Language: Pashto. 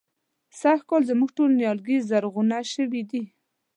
سږکال زموږ ټول نيالګي زرغونه شوي دي.